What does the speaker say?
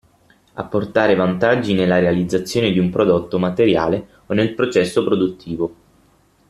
Apportare vantaggi nella realizzazione di un prodotto materiale o nel processo produttivo.